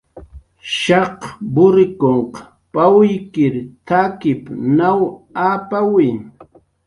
"Shaq wurrikunq pawykir t""akip naw apawi."